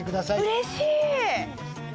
うれしい！